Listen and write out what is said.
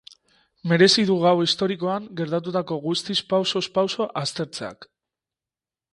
Merezi du gau historikoan gertatutako guztia pausoz pauso aztertzeak.